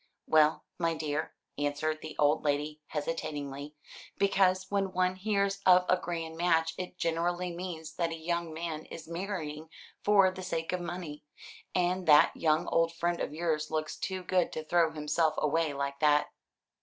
"Well, my dear," answered the old lady hesitatingly, "because when one hears of a grand match, it generally means that a young man is marrying for the sake of money, and that young old friend of yours looks too good to throw himself away like that."